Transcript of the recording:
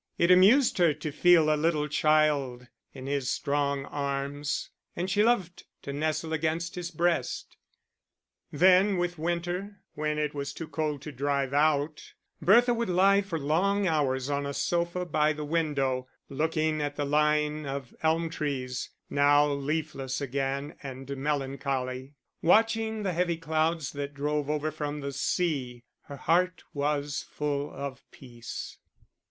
It amused her to feel a little child in his strong arms, and she loved to nestle against his breast. Then, with winter, when it was too cold to drive out, Bertha would lie for long hours on a sofa by the window, looking at the line of elm trees, now leafless again and melancholy, watching the heavy clouds that drove over from the sea: her heart was full of peace.